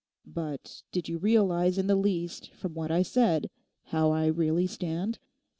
'But did you realise in the least from what I said how I really stand?